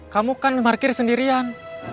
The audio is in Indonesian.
kamu kan parkir sendirian